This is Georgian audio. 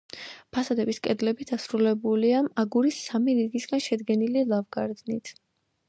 ფასადების კედლები დასრულებულია აგურის სამი რიგისაგან შედგენილი ლავგარდნით.